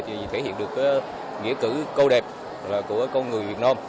thì thể hiện được nghĩa cử cao đẹp của con người việt nam